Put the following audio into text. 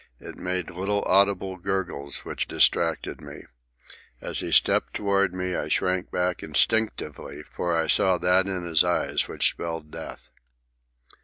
It made little audible gurgles which distracted me. As he stepped toward me I shrank back instinctively, for I saw that in his eyes which spelled death.